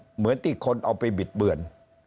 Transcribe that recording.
เหมือนที่คนเอาไปบิดเบือน